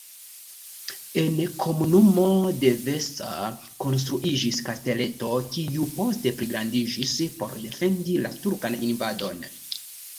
En komunumo Devecser konstruiĝis kasteleto, kiu poste pligrandiĝis por defendi la turkan invadon.